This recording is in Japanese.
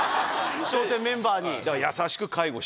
笑点メンバーに。